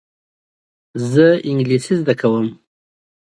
زه انګلیسي زده کوم.